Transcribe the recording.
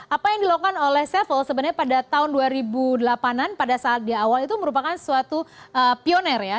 apa yang dilakukan oleh sevel sebenarnya pada tahun dua ribu delapan an pada saat di awal itu merupakan suatu pioner ya